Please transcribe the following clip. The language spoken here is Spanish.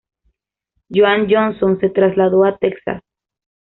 Joan Johnson se trasladó a Texas.